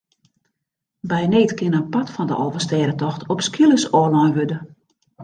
By need kin in part fan de Alvestêdetocht op skeelers ôflein wurde.